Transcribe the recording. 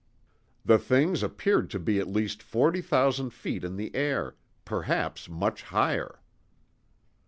The things; appeared to be at least forty thousand feet in the air—perhaps much higher.